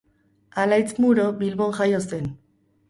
Alaitz Muro Bilbon jaio zen.